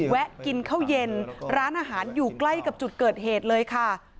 กินข้าวเย็นร้านอาหารอยู่ใกล้กับจุดเกิดเหตุเลยค่ะ